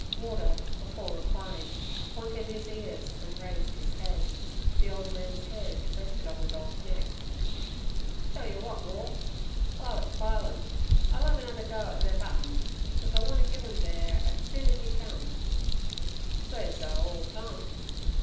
Warder, before replying, pointed his cars and raised his head. The old man's hand rested on the dog's neck. "Tell yer wot, War, w'ile it's bilin' I'll 'ave another go at ther button, cos I want ter give 'im ther 'at soon as he comes. S'pose they'll orl come!"